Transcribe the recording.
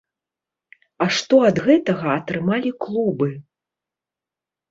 А што ад гэтага атрымалі клубы?